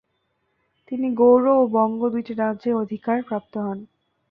তিনি গৌড় ও বঙ্গ দুইটি রাজ্যের অধিকার প্রাপ্ত হন।